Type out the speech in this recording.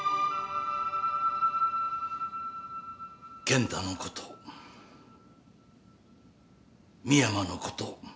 健太のこと深山のこと。